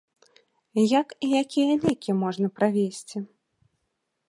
Як і якія лекі можна правезці?